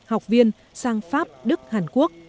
học viên sang pháp đức hàn quốc